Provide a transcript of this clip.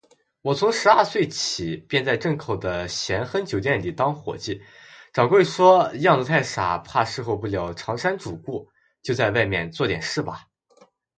我从十二岁起，便在镇口的咸亨酒店里当伙计，掌柜说，样子太傻，怕侍候不了长衫主顾，就在外面做点事罢。